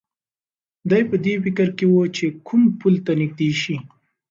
دی په دې فکر کې و چې کوم پل ته نږدې شي.